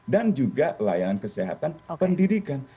dan juga layanan kesehatan pendidikan